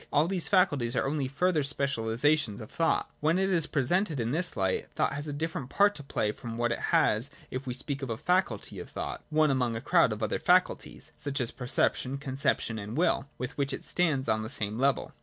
All these faculties are only further specialisations of thought. When it is presajted in this light, thought has a different part to play froiji what it has if we speak of a faculty of thought, one ationg a crowd of other faculties, such as perception, conception and will, with which it stands on the same level.